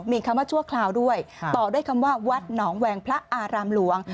มีคำว่าชั่วคราวด้วยต่อด้วยคำว่าวัดหนองแวงพระอารามหลวง